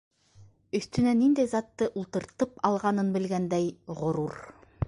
Өҫтөнә ниндәй затты ултыртып алғанын белгәндәй, ғорур!